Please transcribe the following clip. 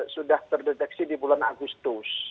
sudah terdeteksi di bulan agustus